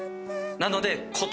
なので。